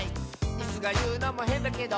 「イスがいうのもへんだけど」